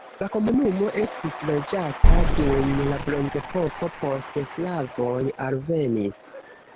La komunumo estis loĝata dum la bronzepoko, poste slavoj alvenis.